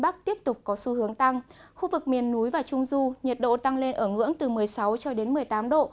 khu vực miền núi và trung du nhiệt độ tăng lên ở ngưỡng từ một mươi sáu cho đến một mươi tám độ